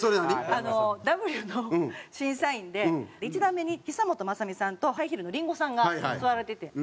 あのＷの審査員で１段目に久本雅美さんとハイヒールのリンゴさんが座られてて。